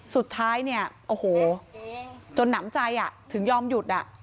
สุดท้ายเนี่ยโอ้โหจนหนำใจถึงยอมหยุด